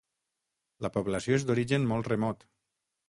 La població és d'origen molt remot.